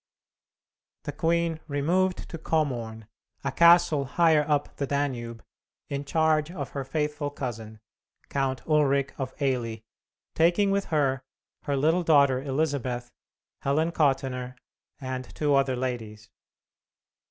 The queen removed to Komorn, a castle higher up the Danube, in charge of her faithful cousin, Count Ulric of Eily, taking with her her little daughter Elizabeth, Helen Kottenner, and two other ladies.